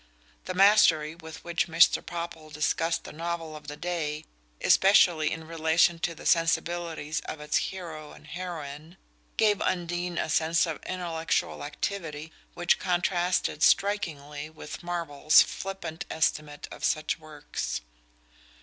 The mastery with which Mr. Popple discussed the novel of the day, especially in relation to the sensibilities of its hero and heroine, gave Undine a sense of intellectual activity which contrasted strikingly with Marvell's flippant estimate of such works.